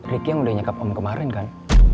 rikyu yang nyekap utu kemaren kan